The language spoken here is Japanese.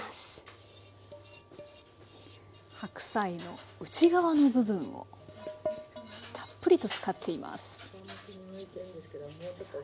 白菜の内側の部分をたっぷりと使っています。